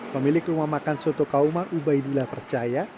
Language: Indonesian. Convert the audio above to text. pemilik rumah makan soto kauman ubaidillah percaya